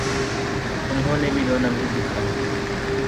انہوں نے بھی دو نمبری دکھا دی۔